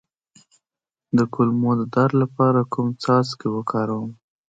د کولمو د درد لپاره کوم څاڅکي وکاروم؟